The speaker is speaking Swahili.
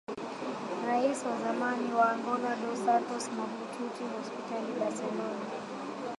Rais wa zamani wa Angola Dos Santos mahututi hospitali Bercelona